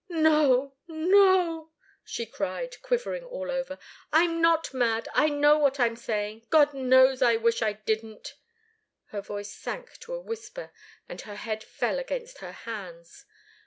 "No, no!" she cried, quivering all over. "I'm not mad. I know what I'm saying God knows, I wish I didn't." Her voice sank to a whisper, and her head fell against her hands.